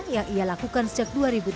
yang ia lakukan sejak dua ribu tujuh belas